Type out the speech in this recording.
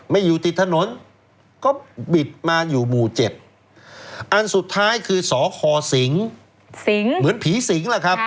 อยู่ติดถนนก็บิดมาอยู่หมู่๗อันสุดท้ายคือสคสิงเหมือนผีสิงล่ะครับ